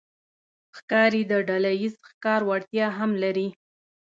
ښکاري د ډلهییز ښکار وړتیا هم لري.